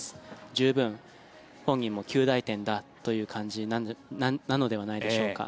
十分、本人も及第点だという感じなのではないでしょうか。